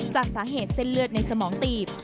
จากสาเหตุเส้นเลือดในสมองตีบ